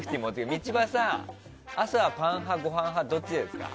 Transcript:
道場さん、朝はパン派かご飯派どっちですか？